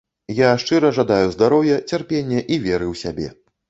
Я шчыра жадаю здароўя, цярпення і веры ў сябе.